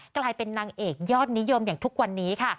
กลายเป็นนางเอกยอดนิยมอย่างทุกวันนี้ค่ะ